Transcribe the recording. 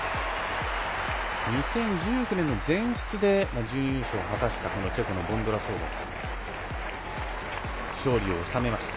２０１９年の全仏で準優勝を果たしたチェコのボンドロウソバが勝利を収めました。